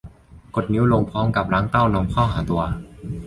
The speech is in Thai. กดนิ้วลงพร้อมกับรั้งเต้านมเข้าหาตัว